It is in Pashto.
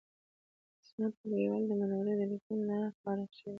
زما ټولګیوال د منورې د لیسې نه فارغ شوی دی